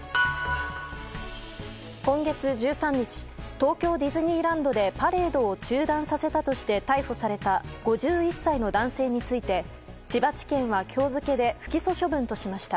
今月１３日東京ディズニーランドでパレードを中断させたとして逮捕された５１歳の男性について千葉地検は今日付で不起訴処分としました。